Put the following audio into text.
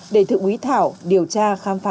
để thượng quý thảo điều tra khám phá